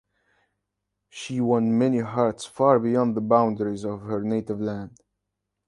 She won many hearts far beyond the boundaries of her native land.